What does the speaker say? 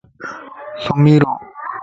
سمي رو